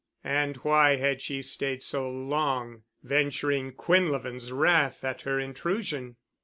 And why had she stayed so long, venturing Quinlevin's wrath at her intrusion?